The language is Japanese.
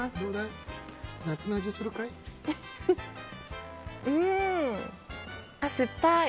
夏の味するかい？